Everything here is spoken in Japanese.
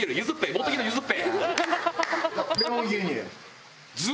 茂木のゆずっぺ。